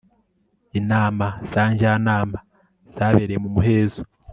Inama za njyanama zabereye mu muhezo